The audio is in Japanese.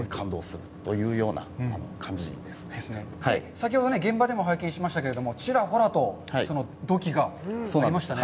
先ほどね、現場でも拝見しましたけれども、ちらほらと土器が出ましたね。